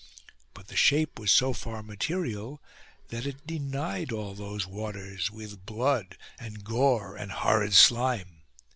But the shape was so far material that it defiled all those waters with blood and gore and horrid slime.